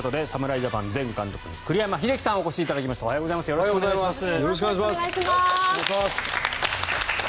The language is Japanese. よろしくお願いします。